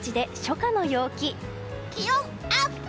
気温、アップ！